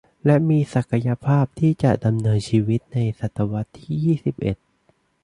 และมีศักยภาพที่จะดำเนินชีวิตในศตวรรษที่ยี่สิบเอ็ด